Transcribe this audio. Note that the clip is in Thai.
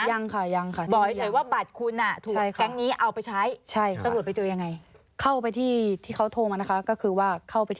แต่ยังไม่มีหมายเรียกคุณมานะ